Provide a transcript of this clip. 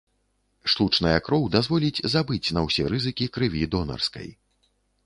Штучная кроў дазволіць забыць на ўсе рызыкі крыві донарскай.